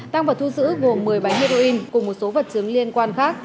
tăng vật thu giữ gồm một mươi bánh heroin cùng một số vật chứng liên quan khác